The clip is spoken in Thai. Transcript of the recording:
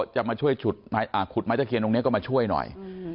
จะมาช่วยขุดไม้ตะเคียนตรงนี้ก็มาช่วยหน่อย